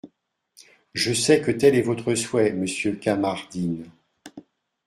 Je sais que tel est votre souhait, monsieur Kamardine.